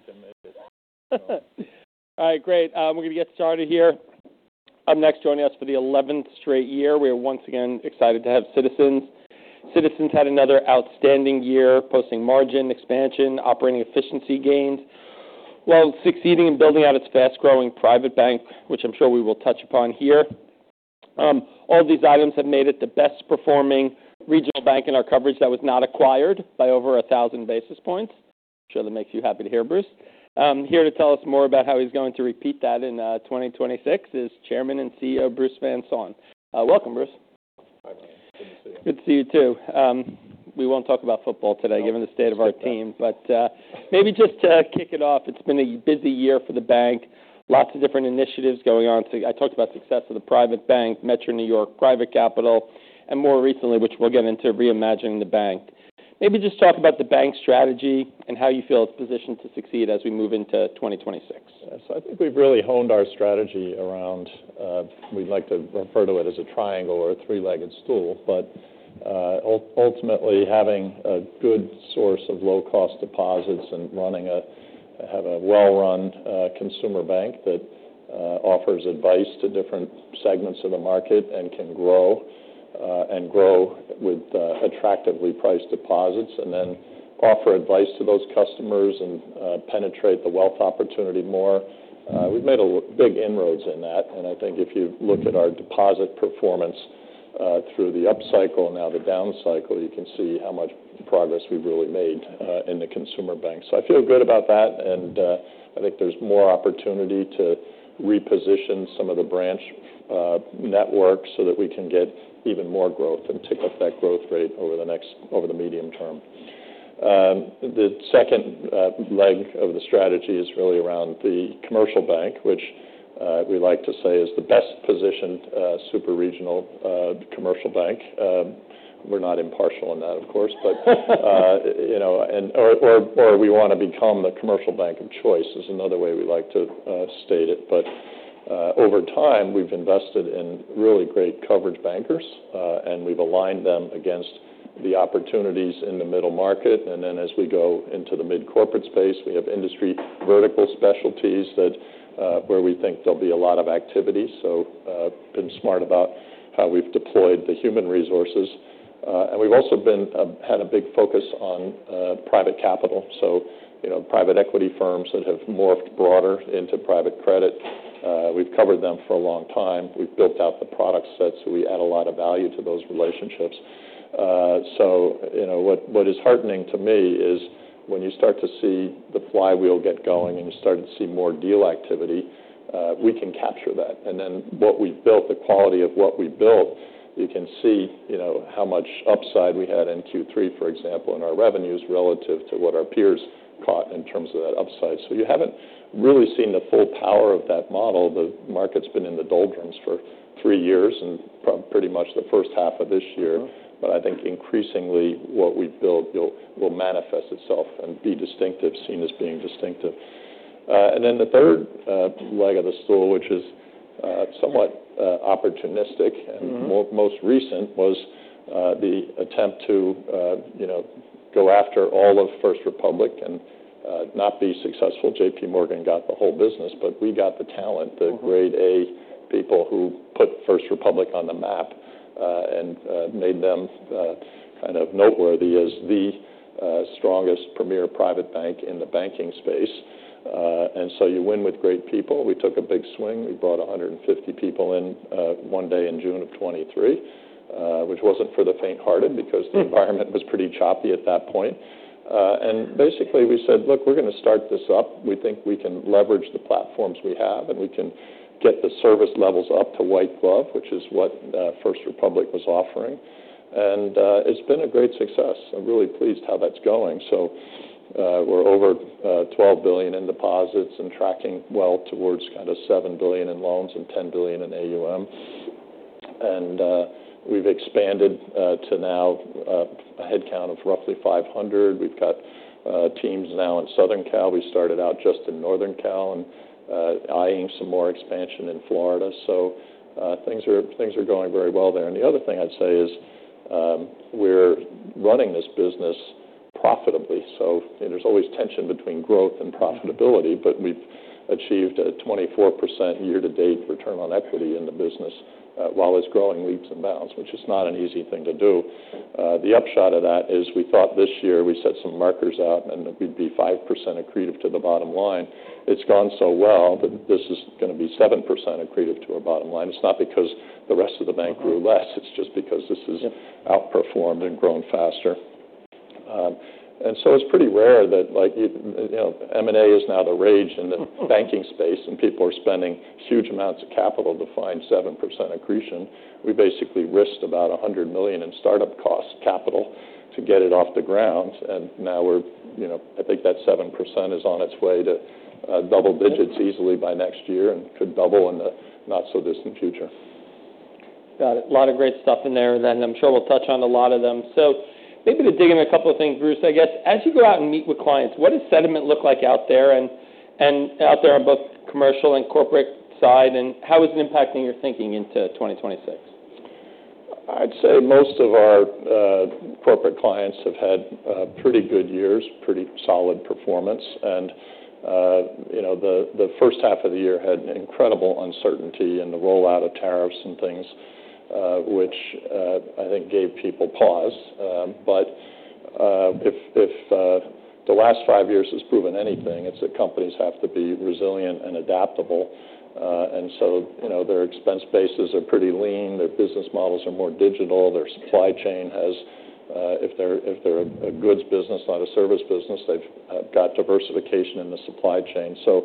As long as we can make it. All right, great. We're going to get started here. Up next, joining us for the 11th straight year, we are once again excited to have Citizens. Citizens had another outstanding year, posting margin expansion, operating efficiency gains, while succeeding in building out its fast-growing private bank, which I'm sure we will touch upon here. All these items have made it the best-performing regional bank in our coverage that was not acquired by over 1,000 basis points. I'm sure that makes you happy to hear, Bruce. Here to tell us more about how he's going to repeat that in 2026 is Chairman and CEO Bruce Van Saun. Welcome, Bruce. Hi, Brian. Good to see you. Good to see you too. We won't talk about football today given the state of our team, but maybe just to kick it off, it's been a busy year for the bank. Lots of different initiatives going on. I talked about success of the private bank, Metro New York, private capital, and more recently, which we'll get into, reimagining the bank. Maybe just talk about the bank's strategy and how you feel it's positioned to succeed as we move into 2026. I think we've really honed our strategy around. We'd like to refer to it as a triangle or a three-legged stool, but ultimately having a good source of low-cost deposits and running a well-run consumer bank that offers advice to different segments of the market and can grow and grow with attractively priced deposits, and then offer advice to those customers and penetrate the wealth opportunity more. We've made big inroads in that, and I think if you look at our deposit performance through the upcycle and now the downcycle, you can see how much progress we've really made in the consumer bank. I feel good about that, and I think there's more opportunity to reposition some of the branch networks so that we can get even more growth and tick up that growth rate over the medium term. The second leg of the strategy is really around the commercial bank, which we like to say is the best-positioned super-regional commercial bank. We're not impartial in that, of course, but, or we want to become the commercial bank of choice is another way we like to state it. But over time, we've invested in really great coverage bankers, and we've aligned them against the opportunities in the middle market. And then as we go into the mid-corporate space, we have industry vertical specialties where we think there'll be a lot of activity. So we've been smart about how we've deployed the human resources. And we've also had a big focus on private capital, so private equity firms that have morphed broader into private credit. We've covered them for a long time. We've built out the product sets so we add a lot of value to those relationships. So what is heartening to me is when you start to see the flywheel get going and you start to see more deal activity, we can capture that. And then what we've built, the quality of what we built, you can see how much upside we had in Q3, for example, in our revenues relative to what our peers caught in terms of that upside. So you haven't really seen the full power of that model. The market's been in the doldrums for three years and pretty much the first half of this year, but I think increasingly what we've built will manifest itself and be distinctive, seen as being distinctive. And then the third leg of the stool, which is somewhat opportunistic and most recent, was the attempt to go after all of First Republic and not be successful. JPMorgan Chase got the whole business, but we got the talent, the grade A people who put First Republic on the map and made them kind of noteworthy as the strongest premier private bank in the banking space, and so you win with great people. We took a big swing. We brought 150 people in one day in June of 2023, which wasn't for the faint-hearted because the environment was pretty choppy at that point, and basically we said, "Look, we're going to start this up. We think we can leverage the platforms we have and we can get the service levels up to white glove," which is what First Republic was offering. And it's been a great success. I'm really pleased how that's going, so we're over $12 billion in deposits and tracking well towards kind of $7 billion in loans and $10 billion in AUM. And we've expanded to now a headcount of roughly 500. We've got teams now in Southern Cal. We started out just in Northern Cal and eyeing some more expansion in Florida. So things are going very well there. And the other thing I'd say is we're running this business profitably. So there's always tension between growth and profitability, but we've achieved a 24% year-to-date return on equity in the business while it's growing leaps and bounds, which is not an easy thing to do. The upshot of that is we thought this year we set some markers out and we'd be 5% accretive to the bottom line. It's gone so well that this is going to be 7% accretive to our bottom line. It's not because the rest of the bank grew less. It's just because this has outperformed and grown faster. It's pretty rare that M&A is now the rage in the banking space and people are spending huge amounts of capital to find 7% accretion. We basically risked about $100 million in startup cost capital to get it off the ground. Now I think that 7% is on its way to double digits easily by next year and could double in the not-so-distant future. Got it. A lot of great stuff in there then. I'm sure we'll touch on a lot of them. So maybe to dig in a couple of things, Bruce, I guess as you go out and meet with clients, what does sentiment look like out there and out there on both the commercial and corporate side, and how is it impacting your thinking into 2026? I'd say most of our corporate clients have had pretty good years, pretty solid performance, and the first half of the year had incredible uncertainty in the rollout of tariffs and things, which I think gave people pause, but if the last five years has proven anything, it's that companies have to be resilient and adaptable, and so their expense bases are pretty lean. Their business models are more digital. Their supply chain has, if they're a goods business, not a service business, they've got diversification in the supply chain, so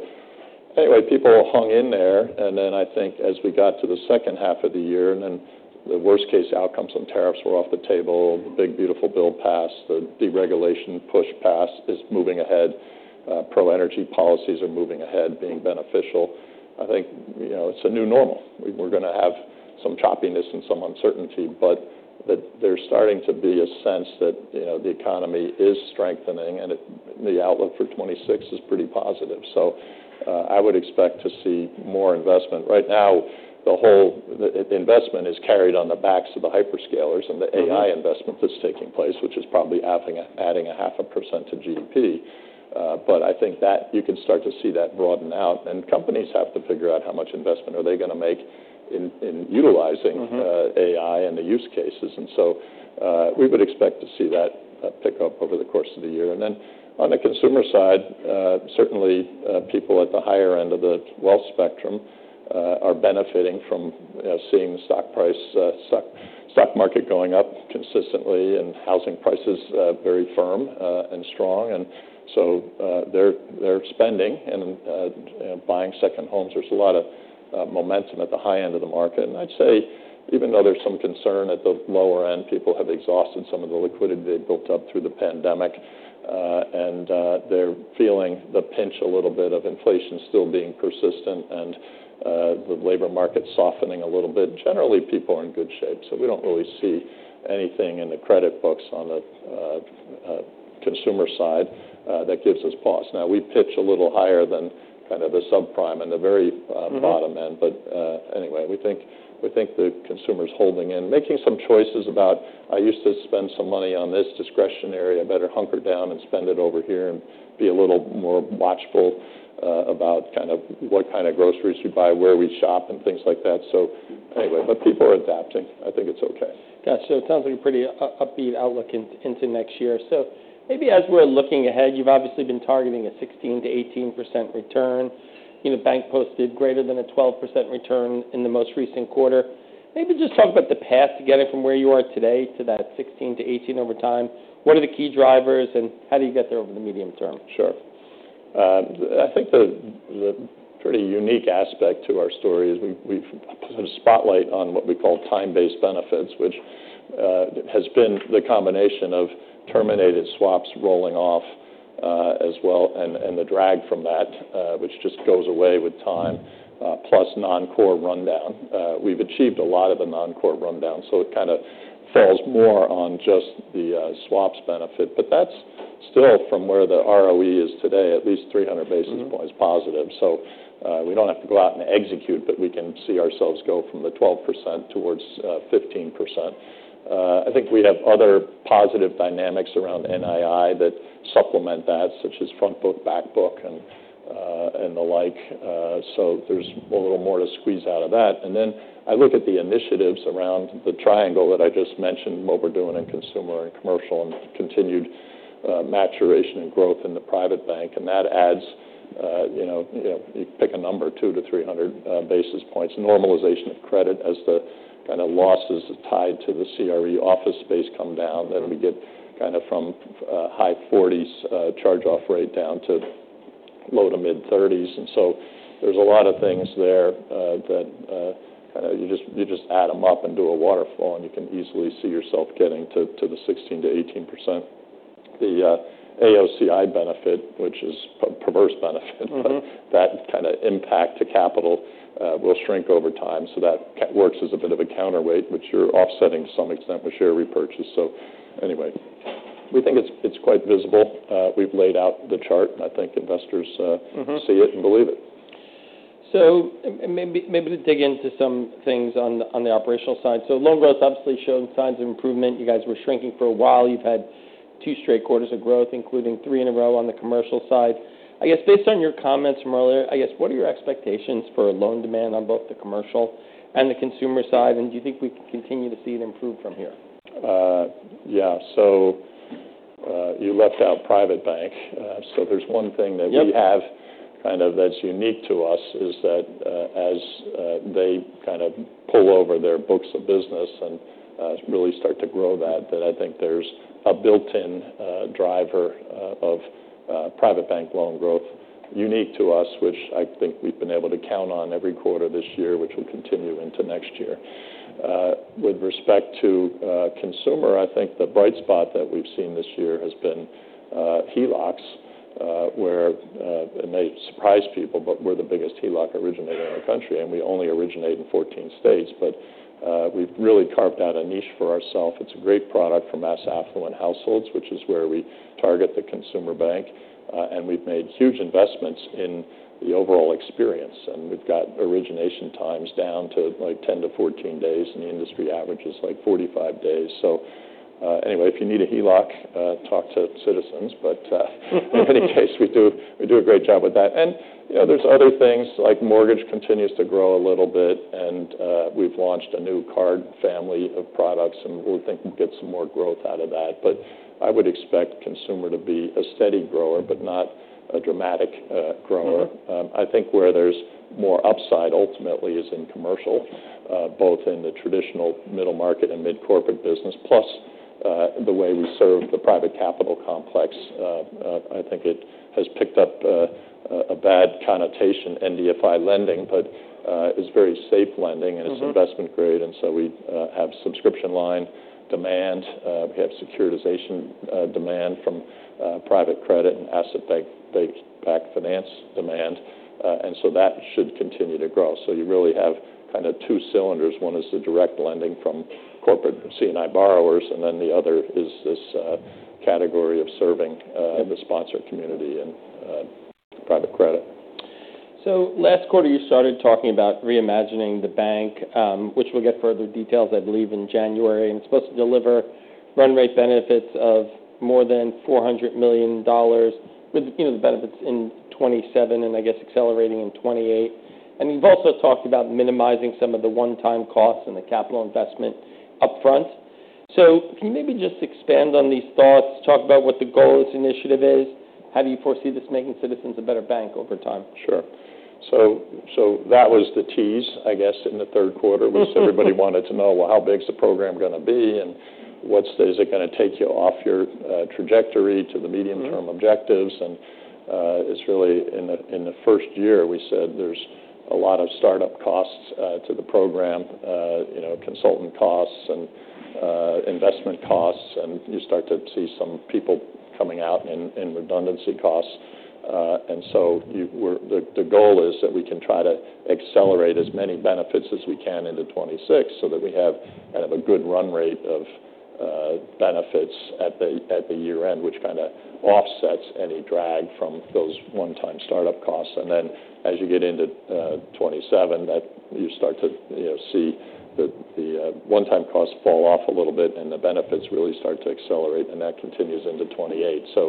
anyway, people hung in there, and then I think as we got to the second half of the year and then the worst-case outcomes on tariffs were off the table, the big beautiful bill passed, the deregulation push passed, is moving ahead. Pro-energy policies are moving ahead, being beneficial. I think it's a new normal. We're going to have some choppiness and some uncertainty, but there's starting to be a sense that the economy is strengthening and the outlook for 2026 is pretty positive. So I would expect to see more investment. Right now, the whole investment is carried on the backs of the hyperscalers and the AI investment that's taking place, which is probably adding 0.5% to GDP. But I think that you can start to see that broaden out. And companies have to figure out how much investment are they going to make in utilizing AI and the use cases. And so we would expect to see that pick up over the course of the year. And then on the consumer side, certainly people at the higher end of the wealth spectrum are benefiting from seeing the stock market going up consistently and housing prices very firm and strong. And so they're spending and buying second homes. There's a lot of momentum at the high end of the market. And I'd say even though there's some concern at the lower end, people have exhausted some of the liquidity they built up through the pandemic. And they're feeling the pinch a little bit of inflation still being persistent and the labor market softening a little bit. Generally, people are in good shape. So we don't really see anything in the credit books on the consumer side that gives us pause. Now we pitch a little higher than kind of the subprime and the very bottom end. But anyway, we think the consumer's holding in, making some choices about, "I used to spend some money on this discretionary. I better hunker down and spend it over here and be a little more watchful about kind of what kind of groceries we buy, where we shop," and things like that. So anyway, but people are adapting. I think it's okay. Gotcha. It sounds like a pretty upbeat outlook into next year. So maybe as we're looking ahead, you've obviously been targeting a 16%-18% return. The bank posted greater than a 12% return in the most recent quarter. Maybe just talk about the path to get it from where you are today to that 16%-18% over time. What are the key drivers and how do you get there over the medium term? Sure. I think the pretty unique aspect to our story is we've put a spotlight on what we call time-based benefits, which has been the combination of terminated swaps rolling off as well and the drag from that, which just goes away with time, plus non-core rundown. We've achieved a lot of the non-core rundown, so it kind of falls more on just the swaps benefit. But that's still from where the ROE is today, at least 300 basis points positive. So we don't have to go out and execute, but we can see ourselves go from the 12% towards 15%. I think we have other positive dynamics around NII that supplement that, such as front book, back book, and the like. So there's a little more to squeeze out of that. And then I look at the initiatives around the triangle that I just mentioned, what we're doing in consumer and commercial and continued maturation and growth in the private bank. And that adds, you pick a number, 2-300 basis points, normalization of credit as the kind of losses tied to the CRE office space come down. Then we get kind of from high 40s charge-off rate down to low to mid-30s. And so there's a lot of things there that kind of you just add them up and do a waterfall, and you can easily see yourself getting to the 16%-18%. The AOCI benefit, which is a perverse benefit, but that kind of impact to capital will shrink over time. So that works as a bit of a counterweight, which you're offsetting to some extent with share repurchase. So anyway, we think it's quite visible. We've laid out the chart, and I think investors see it and believe it. So maybe to dig into some things on the operational side. So loan growth obviously showed signs of improvement. You guys were shrinking for a while. You've had two straight quarters of growth, including three in a row on the commercial side. I guess based on your comments from earlier, I guess what are your expectations for loan demand on both the commercial and the consumer side? And do you think we can continue to see it improve from here? Yeah. So you left out private bank. So there's one thing that we have kind of that's unique to us is that as they kind of pull over their books of business and really start to grow that, then I think there's a built-in driver of private bank loan growth unique to us, which I think we've been able to count on every quarter this year, which will continue into next year. With respect to consumer, I think the bright spot that we've seen this year has been HELOCs, where they surprised people, but we're the biggest HELOC originator in our country. And we only originate in 14 states, but we've really carved out a niche for ourselves. It's a great product for mass affluent households, which is where we target the consumer bank. And we've made huge investments in the overall experience. We've got origination times down to like 10-14 days, and the industry averages like 45 days. Anyway, if you need a HELOC, talk to Citizens. In any case, we do a great job with that. There's other things like mortgage continues to grow a little bit, and we've launched a new card family of products, and we think we'll get some more growth out of that. I would expect consumer to be a steady grower, but not a dramatic grower. I think where there's more upside ultimately is in commercial, both in the traditional middle market and mid-corporate business, plus the way we serve the private capital complex. I think it has picked up a bad connotation, NBFI lending, but it's very safe lending and it's investment grade. So we have subscription line demand. We have securitization demand from private credit and asset-based finance demand. And so that should continue to grow. So you really have kind of two cylinders. One is the direct lending from corporate C&I borrowers, and then the other is this category of serving the sponsor community and private credit. So last quarter, you started talking about reimagining the bank, which we'll get further details, I believe, in January. And it's supposed to deliver run rate benefits of more than $400 million with the benefits in 2027 and I guess accelerating in 2028. And you've also talked about minimizing some of the one-time costs and the capital investment upfront. So can you maybe just expand on these thoughts, talk about what the goal of this initiative is? How do you foresee this making Citizens a better bank over time? Sure. So that was the tease, I guess, in the third quarter because everybody wanted to know, well, how big is the program going to be and what's the, is it going to take you off your trajectory to the medium-term objectives? And it's really in the first year, we said there's a lot of startup costs to the program, consultant costs and investment costs, and you start to see some people coming out in redundancy costs. And so the goal is that we can try to accelerate as many benefits as we can into 2026 so that we have kind of a good run rate of benefits at the year end, which kind of offsets any drag from those one-time startup costs. As you get into 2027, you start to see the one-time costs fall off a little bit and the benefits really start to accelerate, and that continues into 2028. So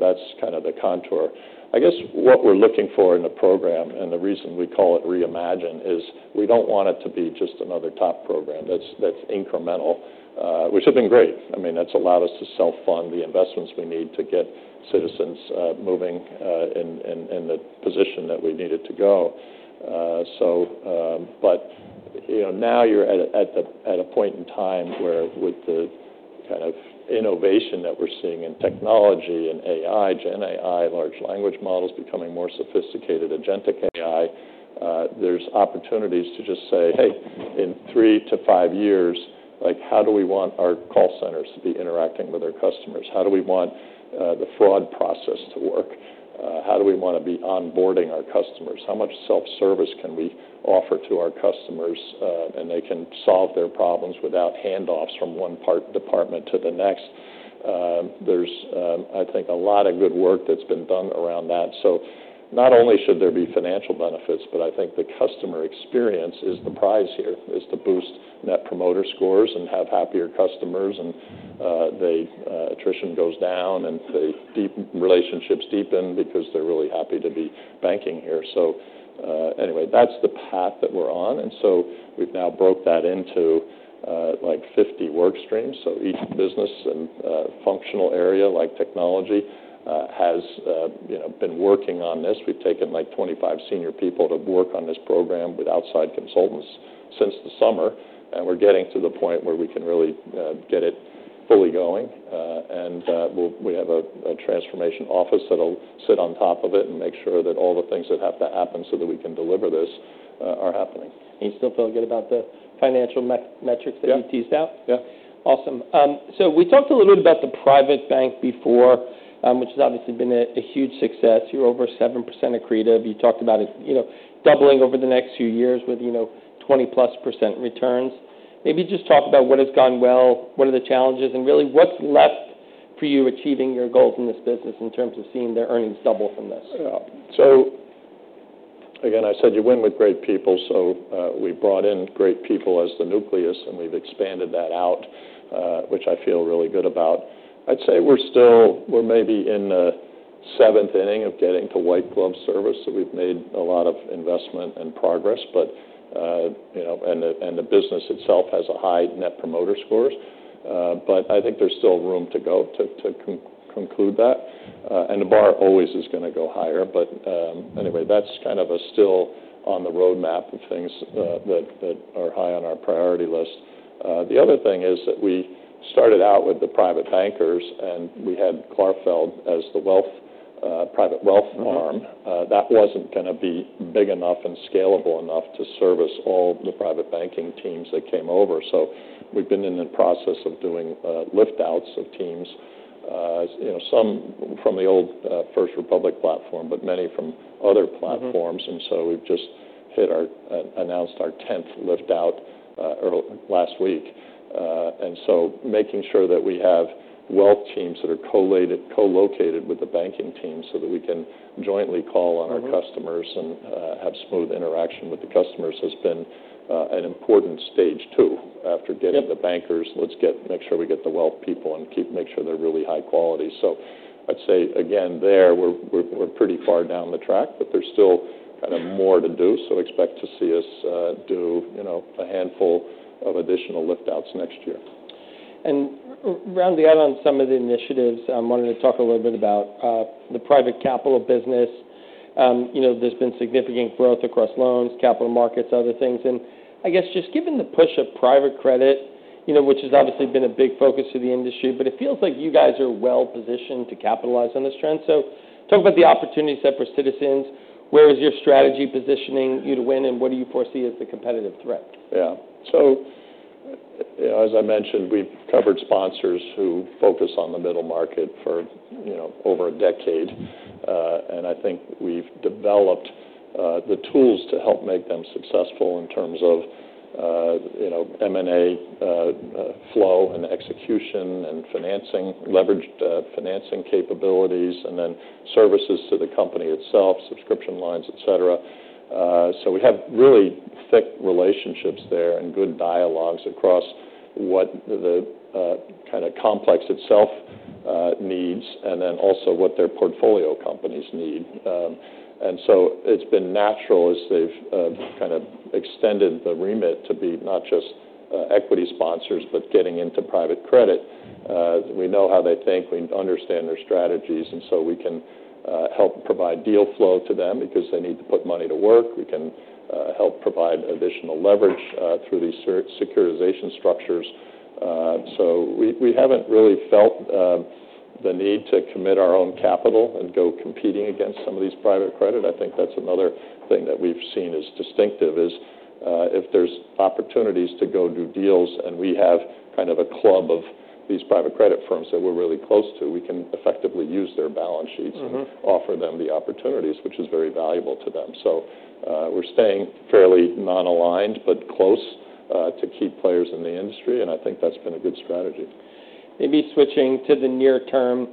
that's kind of the contour. I guess what we're looking for in the program, and the reason we call it Reimagine, is we don't want it to be just another TOP program. That's incremental, which has been great. I mean, that's allowed us to self-fund the investments we need to get Citizens moving in the position that we needed to go. But now you're at a point in time where with the kind of innovation that we're seeing in technology and AI, GenAI, large language models becoming more sophisticated, agentic AI, there's opportunities to just say, "Hey, in three to five years, how do we want our call centers to be interacting with our customers? How do we want the fraud process to work? How do we want to be onboarding our customers? How much self-service can we offer to our customers?", and they can solve their problems without handoffs from one department to the next. There's, I think, a lot of good work that's been done around that, so not only should there be financial benefits, but I think the customer experience is the prize here, is to boost Net Promoter Scores and have happier customers, and the attrition goes down and the relationships deepen because they're really happy to be banking here, so anyway, that's the path that we're on, and so we've now broke that into like 50 work streams, so each business and functional area like technology has been working on this. We've taken like 25 senior people to work on this program with outside consultants since the summer. We're getting to the point where we can really get it fully going. We have a transformation office that'll sit on top of it and make sure that all the things that have to happen so that we can deliver this are happening. You still feel good about the financial metrics that you teased out? Yeah. Yeah. Awesome. So we talked a little bit about the private bank before, which has obviously been a huge success. You're over 7% accretive. You talked about it doubling over the next few years with 20%+ returns. Maybe just talk about what has gone well, what are the challenges, and really what's left for you achieving your goals in this business in terms of seeing the earnings double from this? So again, I said you win with great people. So we brought in great people as the nucleus, and we've expanded that out, which I feel really good about. I'd say we're still, we're maybe in the seventh inning of getting to white glove service. So we've made a lot of investment and progress, but and the business itself has a high Net Promoter sScores. But I think there's still room to go to conclude that. And the bar always is going to go higher. But anyway, that's kind of a still on the roadmap of things that are high on our priority list. The other thing is that we started out with the private bankers, and we had Clarfeld as the private wealth arm. That wasn't going to be big enough and scalable enough to service all the private banking teams that came over. So we've been in the process of doing liftouts of teams, some from the old First Republic platform, but many from other platforms. And so we've just announced our 10th liftout last week. And so making sure that we have wealth teams that are co-located with the banking teams so that we can jointly call on our customers and have smooth interaction with the customers has been an important stage too. After getting the bankers, let's make sure we get the wealth people and make sure they're really high quality. So I'd say again, there we're pretty far down the track, but there's still kind of more to do. So expect to see us do a handful of additional liftouts next year. Rounding out on some of the initiatives, I wanted to talk a little bit about the private capital business. There has been significant growth across loans, capital markets, other things. I guess just given the push of private credit, which has obviously been a big focus of the industry, but it feels like you guys are well positioned to capitalize on this trend. So talk about the opportunity set for Citizens. Where is your strategy positioning you to win, and what do you foresee as the competitive threat? Yeah. So as I mentioned, we've covered sponsors who focus on the middle market for over a decade, and I think we've developed the tools to help make them successful in terms of M&A flow and execution and leveraged financing capabilities and then services to the company itself, subscription lines, etc., so we have really thick relationships there and good dialogues across what the kind of complex itself needs and then also what their portfolio companies need, and so it's been natural as they've kind of extended the remit to be not just equity sponsors, but getting into private credit. We know how they think. We understand their strategies, and so we can help provide deal flow to them because they need to put money to work. We can help provide additional leverage through these securitization structures. So we haven't really felt the need to commit our own capital and go competing against some of these private credit. I think that's another thing that we've seen is distinctive is if there's opportunities to go do deals and we have kind of a club of these private credit firms that we're really close to, we can effectively use their balance sheets and offer them the opportunities, which is very valuable to them. So we're staying fairly non-aligned, but close to key players in the industry. And I think that's been a good strategy. Maybe switching to the near term,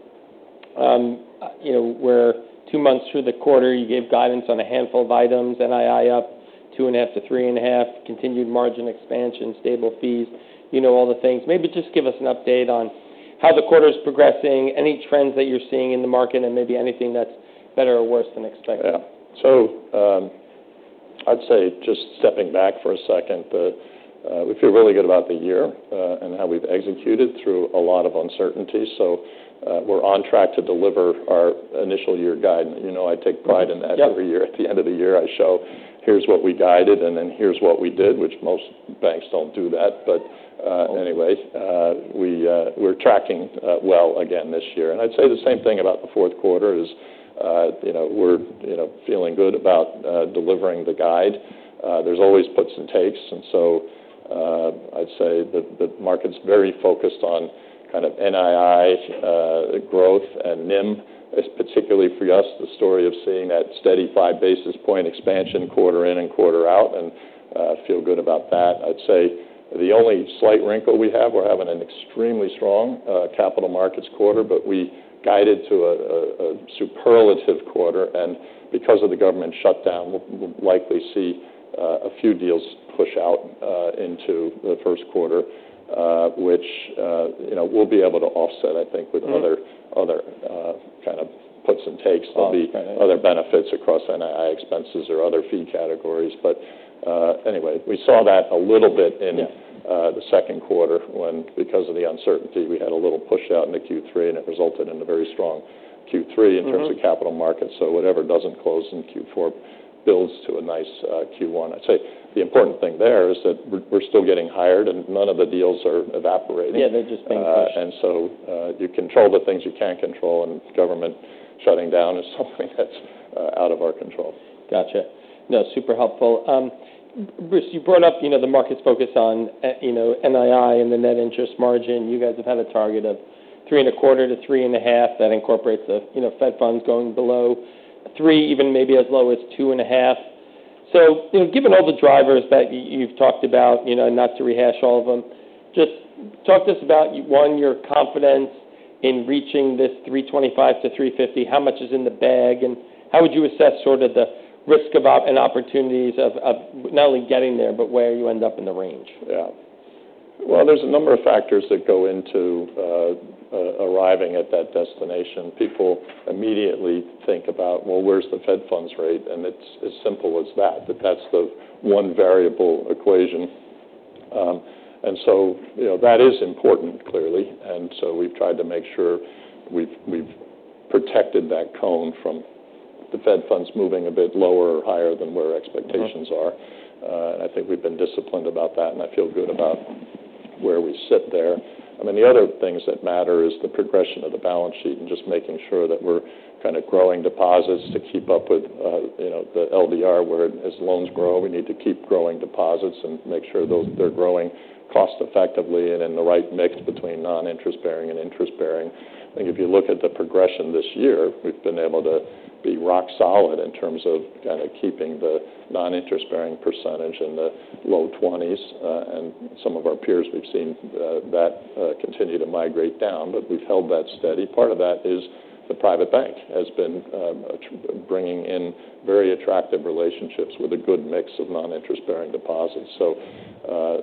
where two months through the quarter, you gave guidance on a handful of items, NII up 2.5%-3.5%, continued margin expansion, stable fees, all the things. Maybe just give us an update on how the quarter is progressing, any trends that you're seeing in the market, and maybe anything that's better or worse than expected. Yeah. So I'd say just stepping back for a second, we feel really good about the year and how we've executed through a lot of uncertainty. So we're on track to deliver our initial year guide. I take pride in that every year at the end of the year, I show, "Here's what we guided, and then here's what we did," which most banks don't do that. But anyway, we're tracking well again this year. And I'd say the same thing about the fourth quarter, we're feeling good about delivering the guide. There's always puts and takes. And so I'd say the market's very focused on kind of NII growth and NIM, particularly for us, the story of seeing that steady five basis point expansion quarter in and quarter out and feel good about that. I'd say the only slight wrinkle we have. We're having an extremely strong capital markets quarter, but we guided to a superlative quarter. And because of the government shutdown, we'll likely see a few deals push out into the first quarter, which we'll be able to offset, I think, with other kind of puts and takes. There'll be other benefits across NII expenses or other fee categories. But anyway, we saw that a little bit in the second quarter when, because of the uncertainty, we had a little push out in the Q3, and it resulted in a very strong Q3 in terms of capital markets. So whatever doesn't close in Q4 builds to a nice Q1. I'd say the important thing there is that we're still getting hired, and none of the deals are evaporating. Yeah, they're just being pushed. You control the things you can't control, and government shutting down is something that's out of our control. Gotcha. No, super helpful. Bruce, you brought up the market's focus on NII and the net interest margin. You guys have had a target of 3.25%-3.5% that incorporates Fed funds going below 3%, even maybe as low as 2.5%. So given all the drivers that you've talked about, not to rehash all of them, just talk to us about, one, your confidence in reaching this 3.25%-3.5%, how much is in the bag, and how would you assess sort of the risk of opportunities of not only getting there, but where you end up in the range? Yeah. Well, there's a number of factors that go into arriving at that destination. People immediately think about, "Well, where's the Fed funds rate?" And it's as simple as that, that that's the one variable equation. And so that is important, clearly. And so we've tried to make sure we've protected that cone from the Fed funds moving a bit lower or higher than where expectations are. And I think we've been disciplined about that, and I feel good about where we sit there. I mean, the other things that matter is the progression of the balance sheet and just making sure that we're kind of growing deposits to keep up with the LDR whereas loans grow, we need to keep growing deposits and make sure they're growing cost-effectively and in the right mix between non-interest-bearing and interest-bearing. I think if you look at the progression this year, we've been able to be rock solid in terms of kind of keeping the non-interest-bearing percentage in the low 20s. And some of our peers, we've seen that continue to migrate down, but we've held that steady. Part of that is the private bank has been bringing in very attractive relationships with a good mix of non-interest-bearing deposits. So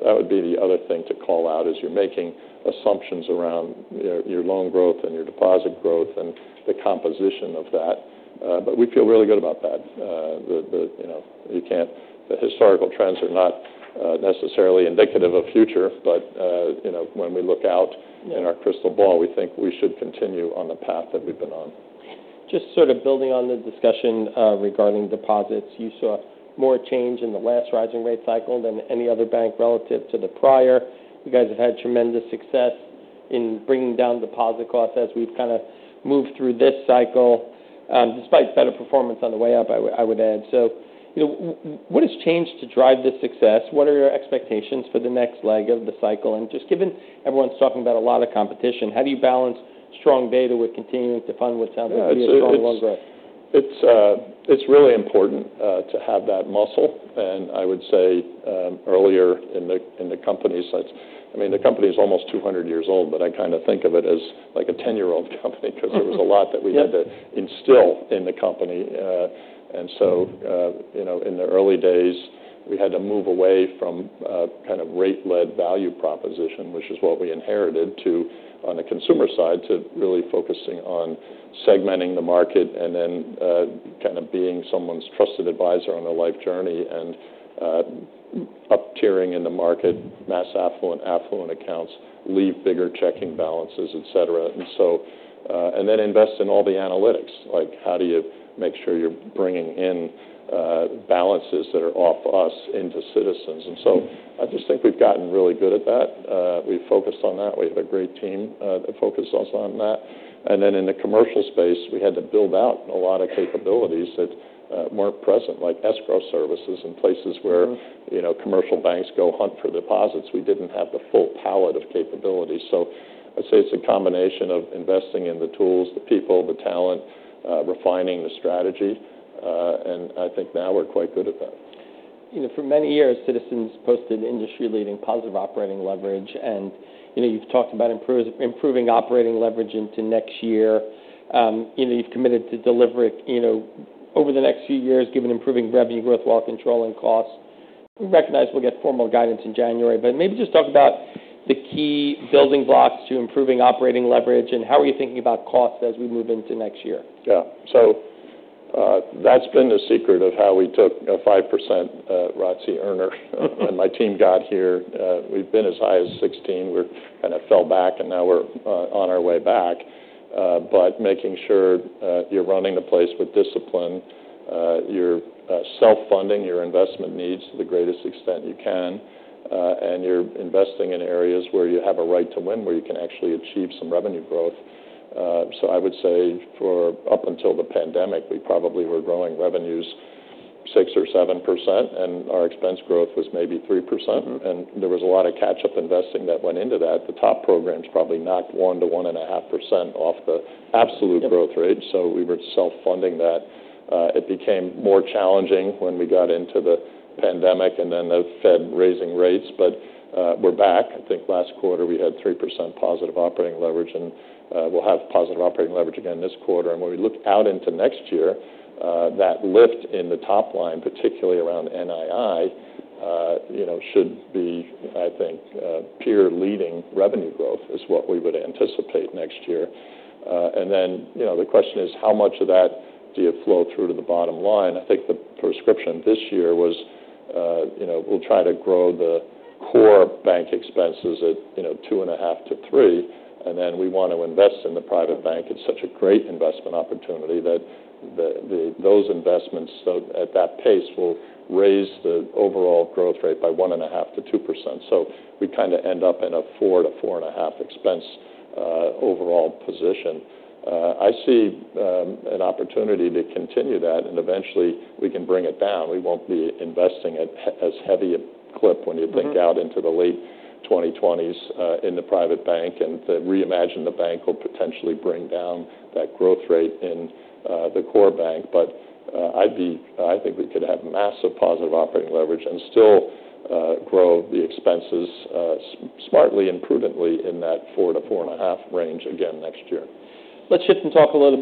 that would be the other thing to call out is you're making assumptions around your loan growth and your deposit growth and the composition of that. But we feel really good about that. The historical trends are not necessarily indicative of future, but when we look out in our crystal ball, we think we should continue on the path that we've been on. Just sort of building on the discussion regarding deposits, you saw more change in the last rising rate cycle than any other bank relative to the prior. You guys have had tremendous success in bringing down deposit costs as we've kind of moved through this cycle, despite better performance on the way up, I would add. So what has changed to drive this success? What are your expectations for the next leg of the cycle? And just given everyone's talking about a lot of competition, how do you balance strong data with continuing to fund what sounds like very strong growth? It's really important to have that muscle, and I would say earlier in the company, I mean, the company is almost 200 years old, but I kind of think of it as like a 10-year-old company because there was a lot that we had to instill in the company, and so in the early days, we had to move away from kind of rate-led value proposition, which is what we inherited, on the consumer side to really focusing on segmenting the market and then kind of being someone's trusted advisor on a life journey and up-tiering in the market, mass affluent accounts, leave bigger checking balances, etc., and then invest in all the analytics, like how do you make sure you're bringing in balances that are off us into Citizens. And so I just think we've gotten really good at that. We've focused on that. We have a great team that focuses on that. And then in the commercial space, we had to build out a lot of capabilities that weren't present, like escrow services and places where commercial banks go hunt for deposits. We didn't have the full palette of capabilities. So I'd say it's a combination of investing in the tools, the people, the talent, refining the strategy. And I think now we're quite good at that. For many years, Citizens posted industry-leading positive operating leverage, and you've talked about improving operating leverage into next year. You've committed to deliver it over the next few years, given improving revenue growth, while controlling costs. We recognize we'll get formal guidance in January, but maybe just talk about the key building blocks to improving operating leverage and how are you thinking about costs as we move into next year? Yeah. So that's been the secret of how we took a 5% ROTCE earner when my team got here. We've been as high as 16%. We've kind of fell back, and now we're on our way back. But making sure you're running the place with discipline, you're self-funding your investment needs to the greatest extent you can, and you're investing in areas where you have a right to win, where you can actually achieve some revenue growth. So I would say for up until the pandemic, we probably were growing revenues 6% or 7%, and our expense growth was maybe 3%. And there was a lot of catch-up investing that went into that. The TOP programs probably knocked 1%-1.5% off the absolute growth rate. So we were self-funding that. It became more challenging when we got into the pandemic and then the Fed raising rates. But we're back. I think last quarter we had 3% positive operating leverage, and we'll have positive operating leverage again this quarter. When we look out into next year, that lift in the TOP line, particularly around NII, should be, I think, peer-leading revenue growth is what we would anticipate next year. Then the question is, how much of that do you flow through to the bottom line? I think the prescription this year was we'll try to grow the core bank expenses at 2.5%-3%. Then we want to invest in the private bank. It's such a great investment opportunity that those investments at that pace will raise the overall growth rate by 1.5%-2%. So we kind of end up in a 4%-4.5% expense overall position. I see an opportunity to continue that, and eventually we can bring it down. We won't be investing as heavy a clip when you think out into the late 2020s in the private bank. To Reimagine the Bank will potentially bring down that growth rate in the core bank. I think we could have massive positive operating leverage and still grow the expenses smartly and prudently in that 4%-4.5% range again next year. Let's shift and talk about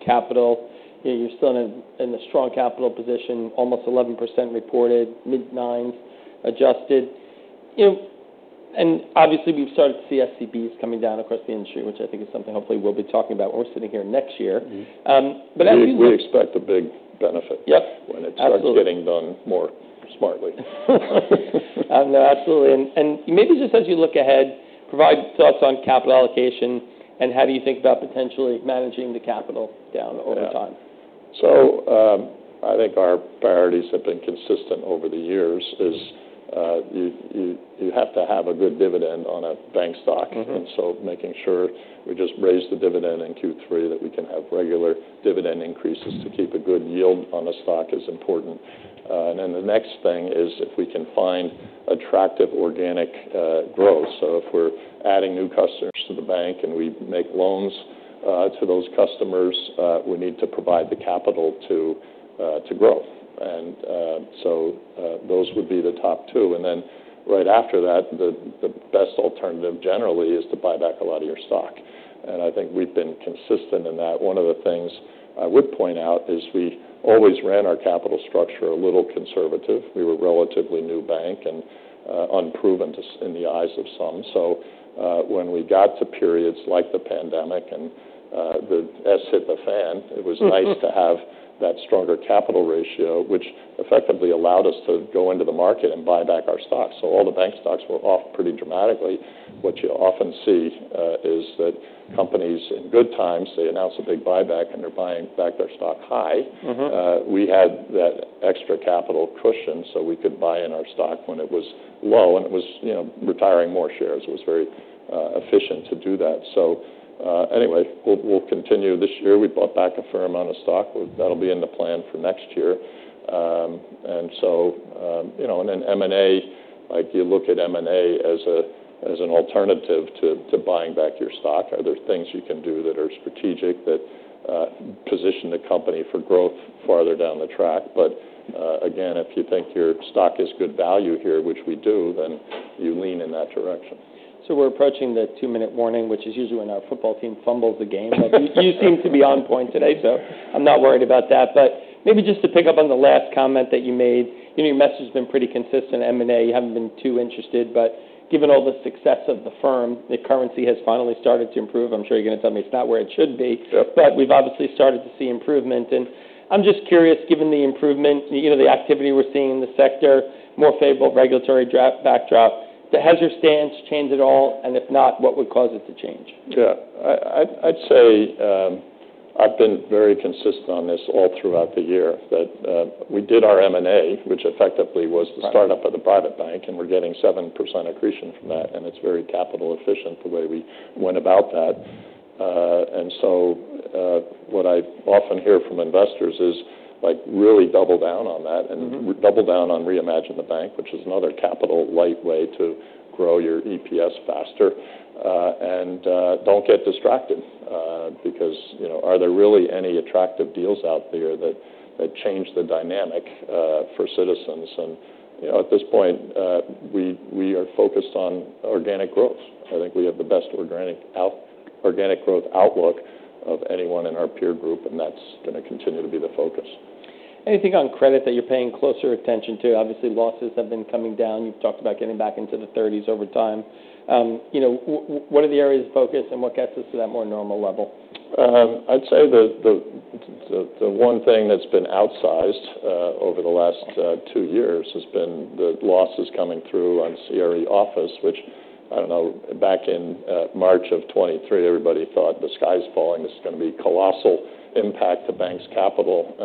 capital. You're still in a strong capital position, almost 11% reported, mid-9% adjusted. And obviously, we've started to see SCBs coming down across the industry, which I think is something hopefully we'll be talking about when we're sitting here next year. But as we look. We expect a big benefit when it starts getting done more smartly. Absolutely. And maybe just as you look ahead, provide thoughts on capital allocation and how do you think about potentially managing the capital down over time? So, I think our priorities have been consistent over the years is you have to have a good dividend on a bank stock. And so, making sure we just raise the dividend in Q3, that we can have regular dividend increases to keep a good yield on a stock is important. And then the next thing is if we can find attractive organic growth. So if we're adding new customers to the bank and we make loans to those customers, we need to provide the capital to grow. And so those would be the top two. And then right after that, the best alternative generally is to buy back a lot of your stock. And I think we've been consistent in that. One of the things I would point out is we always ran our capital structure a little conservative. We were a relatively new bank and unproven in the eyes of some. So when we got to periods like the pandemic and the shit hit the fan, it was nice to have that stronger capital ratio, which effectively allowed us to go into the market and buy back our stock. So all the bank stocks were off pretty dramatically. What you often see is that companies in good times, they announce a big buyback and they're buying back their stock high. We had that extra capital cushion so we could buy in our stock when it was low and it was retiring more shares. It was very efficient to do that. So anyway, we'll continue this year. We bought back a fair amount of stock. That'll be in the plan for next year. In an M&A, like you look at M&A as an alternative to buying back your stock, are there things you can do that are strategic that position the company for growth farther down the track? Again, if you think your stock has good value here, which we do, then you lean in that direction. So we're approaching the two-minute warning, which is usually when our football team fumbles the game. But you seem to be on point today, so I'm not worried about that. But maybe just to pick up on the last comment that you made, your message has been pretty consistent. M&A, you haven't been too interested. But given all the success of the firm, the currency has finally started to improve. I'm sure you're going to tell me it's not where it should be. But we've obviously started to see improvement. And I'm just curious, given the improvement, the activity we're seeing in the sector, more favorable regulatory backdrop, does your stance change at all? And if not, what would cause it to change? Yeah. I'd say I've been very consistent on this all throughout the year that we did our M&A, which effectively was the startup of the private bank, and we're getting 7% accretion from that. And it's very capital efficient the way we went about that. And so what I often hear from investors is really double down on that and double down on Reimagine the Bank, which is another capital lightweight to grow your EPS faster. And don't get distracted because are there really any attractive deals out there that change the dynamic for Citizens? And at this point, we are focused on organic growth. I think we have the best organic growth outlook of anyone in our peer group, and that's going to continue to be the focus. Anything on credit that you're paying closer attention to? Obviously, losses have been coming down. You've talked about getting back into the 30s over time. What are the areas of focus and what gets us to that more normal level? I'd say the one thing that's been outsized over the last two years has been the losses coming through on CRE office, which I don't know. Back in March of 2023, everybody thought the sky's falling. This is going to be a colossal impact to banks' capital.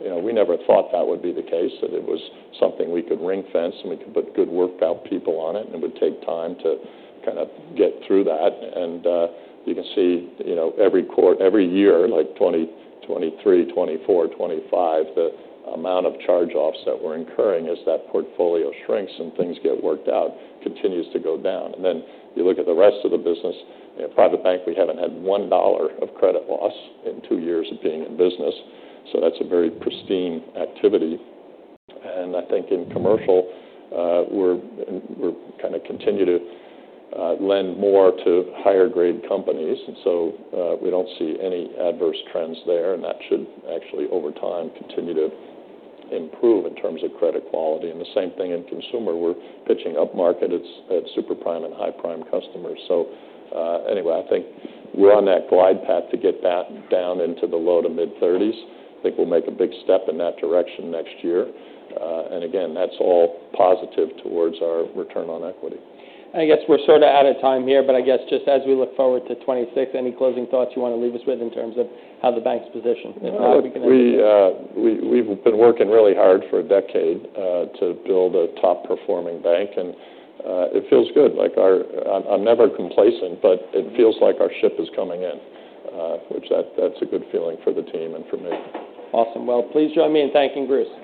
We never thought that would be the case, that it was something we could ring-fence and we could put good workout people on it, and it would take time to kind of get through that. You can see every year, like 2023, 2024, 2025, the amount of charge-offs that we're incurring as that portfolio shrinks and things get worked out continues to go down. Then you look at the rest of the business, private bank. We haven't had $1 of credit loss in two years of being in business. So that's a very pristine activity. And I think in commercial, we're kind of continue to lend more to higher-grade companies. So we don't see any adverse trends there. That should actually, over time, continue to improve in terms of credit quality. The same thing in consumer. We're pitching upmarket at super prime and high prime customers. Anyway, I think we're on that glide path to get back down into the low-to-mid-30s. I think we'll make a big step in that direction next year. Again, that's all positive towards our return on equity. I guess we're sort of out of time here, but I guess just as we look forward to 2026, any closing thoughts you want to leave us with in terms of how the bank's position? We've been working really hard for a decade to build a top-performing bank. And it feels good. I'm never complacent, but it feels like our ship is coming in, which that's a good feeling for the team and for me. Awesome. Well, please join me in thanking Bruce.